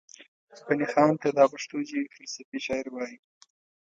غني خان ته دا پښتو ژبې فلسفي شاعر وايي